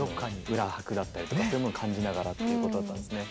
裏拍だったりとかそういうもの感じながらということだったんですね。